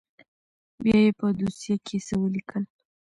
بيا يې په دوسيه کښې څه وليکل.